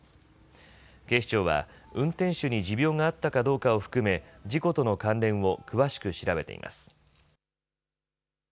警視庁は運転手に持病があったかどうかを含め事故との関連を詳しく調べています。